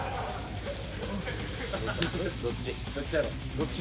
どっち？